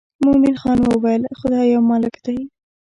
مومن خان وویل خدای یو مالک دی.